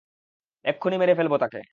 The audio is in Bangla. এক্ষুণি মেরে ফেলবো তাকে!